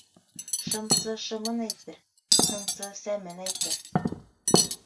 Шымсы шымын әйтер, һынсы сәмен әйтер.